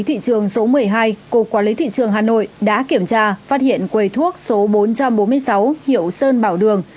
thị trường số một mươi hai cục quản lý thị trường hà nội đã kiểm tra phát hiện quầy thuốc số bốn trăm bốn mươi sáu hiệu sơn bảo đường